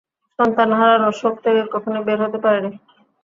সন্তান হারানোর শোক থেকে কখনোই বের হতে পারেনি।